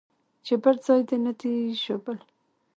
چې بل ځاى دې نه دى ژوبل.